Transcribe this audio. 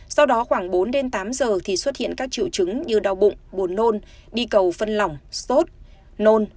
sau đó khoảng bốn đến tám giờ thì xuất hiện các triệu chứng như đau bụng buồn nôn đi cầu phân lỏng sốt nôn